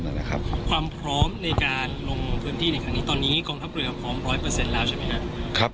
ความพร้อมในการลงพื้นที่ในครั้งนี้ตอนนี้กองทัพเรือพร้อมร้อยเปอร์เซ็นต์แล้วใช่ไหมครับ